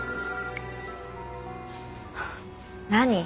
何？